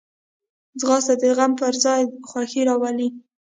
ځغاسته د غم پر ځای خوښي راولي